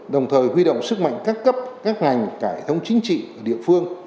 đồng thời huy động sức mạnh các cấp các ngành cải thống chính trị ở địa phương